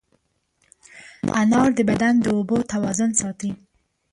انار د بدن د اوبو توازن ساتي.